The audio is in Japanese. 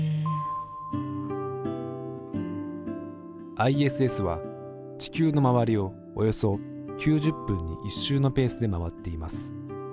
ＩＳＳは地球の周りをおよそ９０分に１周のペースで回っています。